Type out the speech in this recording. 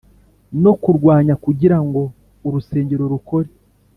no kurwanya kugirango urusengero rukore